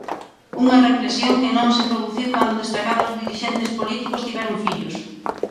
Unha reflexión que non se produciu cando destacados dirixentes políticos tiveron fillos.